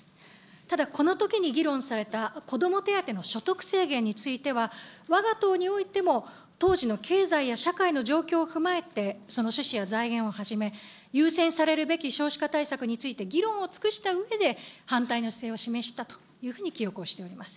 ただ、このときに議論されたこども手当の所得制限については、わが党においても当時の経済や社会の状況を踏まえて、その趣旨や財源をはじめ、優先させるべき少子化対策について、議論を尽くしたうえで反対の姿勢を示したというふうに記憶をしております。